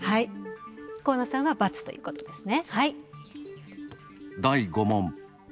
河野さんは×ということですね。